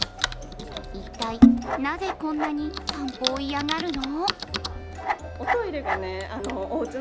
一体、なぜ、こんなに散歩を嫌がるの？